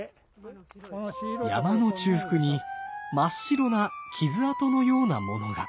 山の中腹に真っ白な傷痕のようなものが。